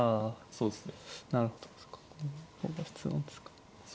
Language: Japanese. そうですね。